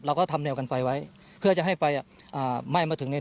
เราก็ทำแนวกันไฟไว้เพื่อจะให้ไฟอ่ะอ่าไหม้มาถึงใน